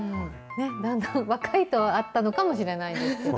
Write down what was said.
だんだん、若いとあったのかもしれないですけど。